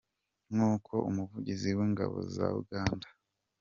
Nk’uko umuvugizi w’ingabo za Uganda Col.